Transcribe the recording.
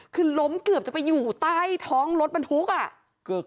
คือล้มเกือบจะไปอยู่ใต้ท้องรถบรรทุกอ่ะ